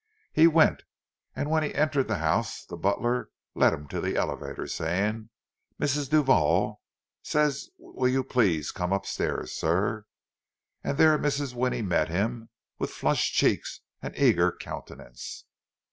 He went; and when he entered the house, the butler led him to the elevator, saying, "Mrs. Duval says will you please come upstairs, sir." And there Mrs. Winnie met him, with flushed cheeks and eager countenance.